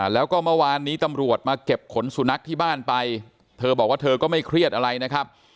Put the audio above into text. แล้วก็เมื่อวานนี้ตำรวจมาเก็บขนสุนัขที่บ้านไปเธอบอกว่าเธอก็ไม่เครียดอะไรนะครับ